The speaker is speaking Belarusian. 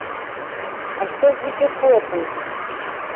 А што будзе потым?